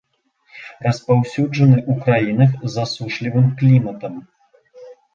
Распаўсюджаны ў краінах з засушлівым кліматам.